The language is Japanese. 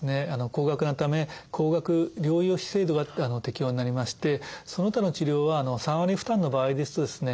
高額なため高額療養費制度が適用になりましてその他の治療は３割負担の場合ですとですね